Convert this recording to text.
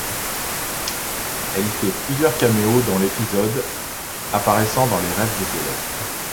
Elle y fait plusieurs caméos dans l'épisode, apparaissant dans les rêves des élèves.